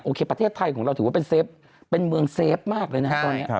ประเทศไทยของเราถือว่าเป็นเมืองเซฟมากเลยนะตอนนี้